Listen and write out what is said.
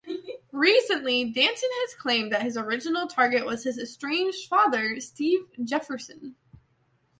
Recently, Danton has claimed that his original target was his estranged father, Steve Jefferson.